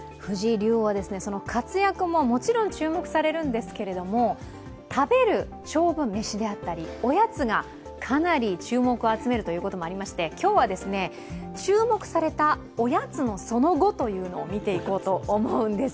藤井竜王は活躍ももちろん注目されるんですけど食べる、勝負めしであったりおやつがかなり注目を集めるということもありまして今日は注目されたおやつのその後を見ていこうと思うんです。